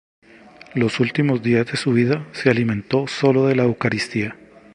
Los últimos días de su vida se alimentó solo de la Eucaristía.